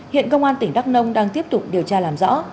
hiện công an tỉnh đắk nông đang tiếp tục điều tra làm rõ